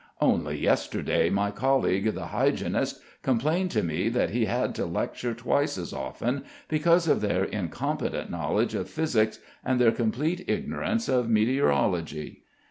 Only yesterday my colleague, the hygienist, complained to me that he had to lecture twice as often because of their incompetent knowledge of physics and their complete ignorance of meteorology.